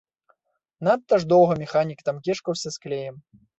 Надта ж доўга механік там кешкаўся з клеем.